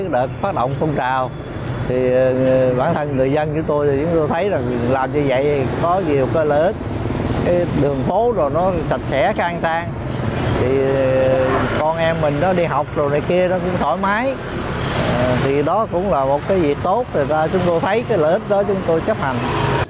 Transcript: đó cũng là một việc tốt chúng tôi thấy lợi ích đó chúng tôi chấp hành